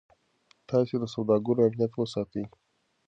تاسي د سوداګرو امنیت وساتئ.